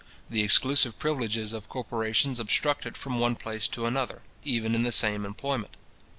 The exclusive privileges of corporations obstruct it from one place to another, even in the same employment.